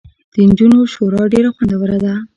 د نخودو شوروا ډیره خوندوره ده.